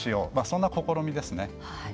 そんな試みですね。